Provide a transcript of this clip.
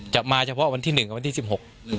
มาเฉพาะวันที่หนึ่งกับวันที่สิบหก